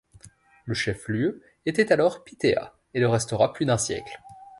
Le chef-lieu était alors Piteå et le restera plus d'un siècle.